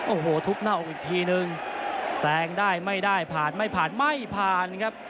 โอ้โหทุบหน้าอกอีกทีนึงแซงได้ไม่ได้ผ่านไม่ผ่านไม่ผ่านครับ